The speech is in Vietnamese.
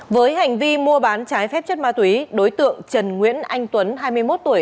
với hành vi mua bán trái phép chất ma túy đối tượng trần nguyễn anh tuấn hai mươi một tuổi